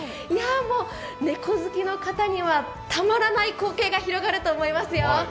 猫好きの方にはたまらない光景が広がると思いますよ。